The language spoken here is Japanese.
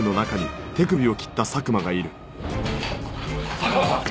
佐久間さん！